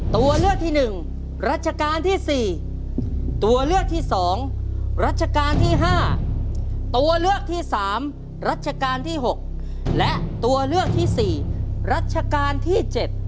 ตัวเลือกที่๑รัชกาลที่๔ตัวเลือกที่๒รัชกาลที่๕ตัวเลือกที่๓รัชกาลที่๖และตัวเลือกที่๔รัชกาลที่๗